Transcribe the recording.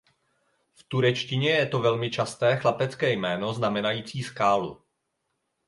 V turečtině je to velmi časté chlapecké jméno znamenající "skálu".